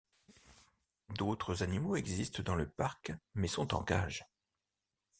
D'autres animaux existent dans le parc mais sont en cage.